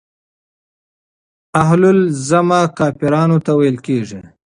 اهل الذمه کافرانو ته ويل کيږي.